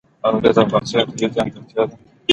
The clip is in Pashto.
اوړي د افغانستان یوه طبیعي ځانګړتیا ده.